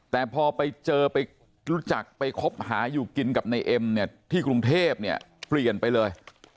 แต่พอไปเจอไปรู้จักไปคบหาอยู่กินกับนายเอ็มเนี่ยที่กรุงเทพเนี่ยเปลี่ยนไปเลย